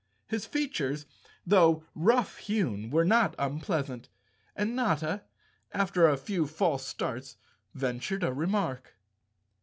His features, though rough hewn, were not unpleasant and Notta, after a few false starts, ventured a remark.